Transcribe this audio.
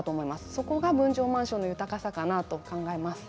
そこが分譲マンションの豊かさだと考えます。